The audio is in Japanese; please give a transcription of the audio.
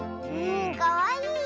かわいい！